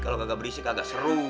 kalau nggak berisik agak seru